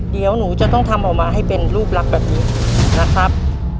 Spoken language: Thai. เดี๋ยวหนูจะต้องทำออกมาให้เป็นรูปลักษณ์แบบนี้นะครับ